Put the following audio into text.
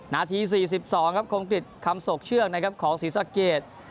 นาที๔๒ครับคงติดคำศกเชือกของสีสะเกด